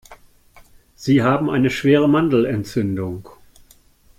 Sie haben eine schwere Mandelentzündung.